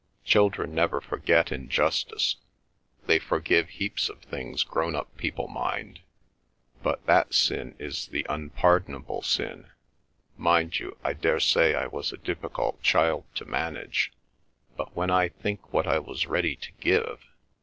Children never forget injustice. They forgive heaps of things grown up people mind; but that sin is the unpardonable sin. Mind you—I daresay I was a difficult child to manage; but when I think what I was ready to give!